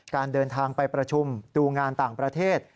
การเดินทางไปประชุมดูงานต่างประเทศ